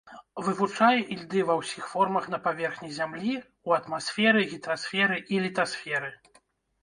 Вывучае ільды ва ўсіх формах на паверхні зямлі, у атмасферы, гідрасферы і літасферы.